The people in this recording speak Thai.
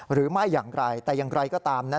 หรือไม่อย่างไรแต่อย่างไรก็ตามนะ